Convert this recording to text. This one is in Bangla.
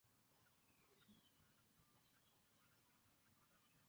আমরা এখানে ইতিহাস গড়ছি।